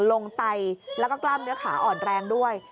ไตแล้วก็กล้ามเนื้อขาอ่อนแรงด้วย